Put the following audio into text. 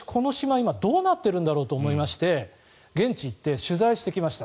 今どうなっているんだろうと思いまして現地に行って取材してきました。